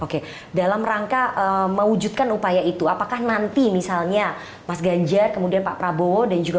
oke dalam rangka mewujudkan upaya itu apakah nanti misalnya mas ganjar kemudian pak prabowo dan juga